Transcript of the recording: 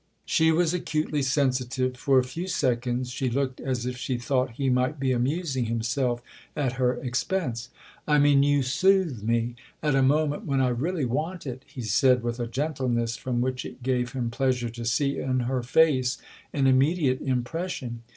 She was acutely sensitive ; for a few seconds she looked as if she thought he might be amusing himself at her expense. " I mean you soothe me at a moment when I really want it," he said with a gentleness from which it gave him pleasure to see in her face an immediate impression.